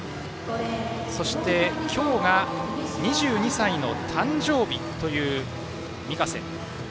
そして、今日が２２歳の誕生日という御家瀬。